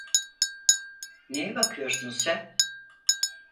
Neye bakıyorsun sen?